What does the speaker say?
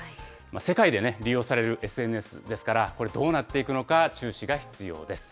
世界でね、利用されるＳＮＳですから、これどうなっていくのか、注視が必要です。